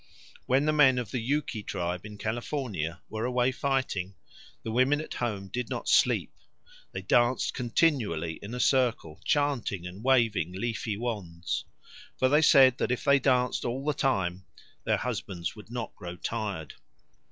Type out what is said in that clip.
When the men of the Yuki tribe in California were away fighting, the women at home did not sleep; they danced continually in a circle, chanting and waving leafy wands. For they said that if they danced all the time, their husbands would not grow tired.